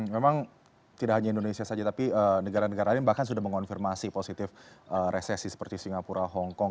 memang tidak hanya indonesia saja tapi negara negara lain bahkan sudah mengonfirmasi positif resesi seperti singapura hongkong